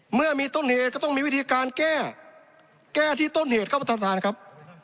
เมื่อมีต้นเหตุก็ต้องมีวิธีการแก้แก้ที่ต้นเหตุครับประธานครับ